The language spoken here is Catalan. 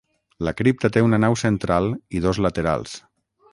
La cripta té una nau central i dos laterals.